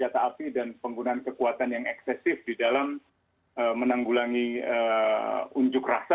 atau misalnya penggunaan kekuatan yang eksesif di dalam menanggulangi unjuk rasa